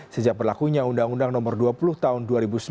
sejak berlakunya undang undang nomor dua puluh tahun dua ribu sembilan